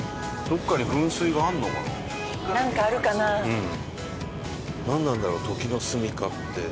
うん。